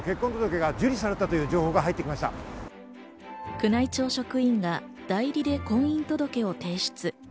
宮内庁職員が代理で婚姻届を提出。